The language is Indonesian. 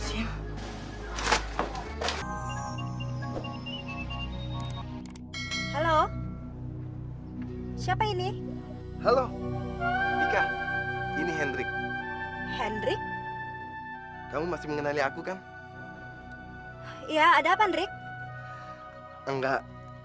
halo siapa ini halo ini hendrik hendrik kamu masih mengenali aku kan iya ada pandri enggak